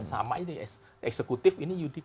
sama itu ya eksekutif ini